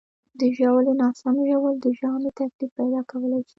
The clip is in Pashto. د ژاولې ناسم ژوول د ژامې تکلیف پیدا کولی شي.